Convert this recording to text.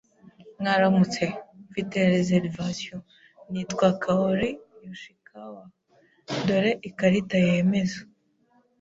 Mwaramutse, Mfite reservation, nitwa Kaori Yoshikawa. Dore ikarita yemeza.